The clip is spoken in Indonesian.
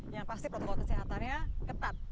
yang pasti protokol kesehatannya ketat